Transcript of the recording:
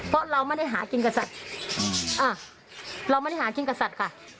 เพราะเราไม่ได้หากินกับสัตว์ค่ะ